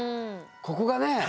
ここがね